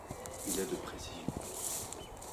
Il est de précision.